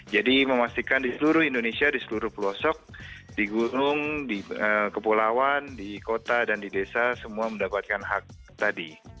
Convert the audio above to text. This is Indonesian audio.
jadi memastikan di seluruh indonesia di seluruh pelosok di gunung di kepulauan di kota dan di desa semua mendapatkan hak tadi